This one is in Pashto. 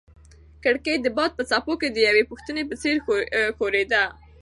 کړکۍ د باد په څپو کې د یوې پوښتنې په څېر ښورېده.